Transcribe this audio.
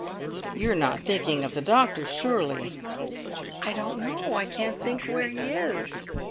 "You're not thinking of the doctor, surely?" "I don't know! I can't think where he is."